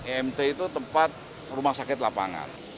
emt itu tempat rumah sakit lapangan